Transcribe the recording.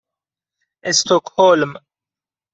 استکهلم